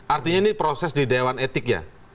artinya ini proses di dewan etik ya